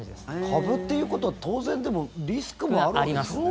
株っていうことは当然リスクもあるわけですよね。